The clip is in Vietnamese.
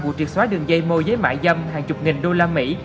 vụ triệt xóa đường dây mô giới mại dâm hàng chục nghìn đô la mỹ